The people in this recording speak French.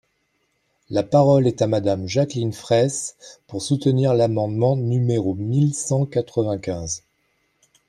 La parole est à Madame Jacqueline Fraysse, pour soutenir l’amendement numéro mille cent quatre-vingt-quinze.